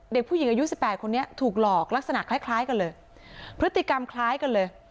เด็กผู้หญิงอายุสิบแปดคนนี้ถูกหลอกลักษณะคล้ายคล้ายกันเลยพฤติกรรมคล้ายกันเลย